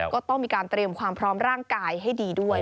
ก็ต้องมีการเตรียมความพร้อมร่างกายให้ดีด้วย